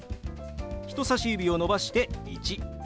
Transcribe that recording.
人さし指を伸ばして「１」。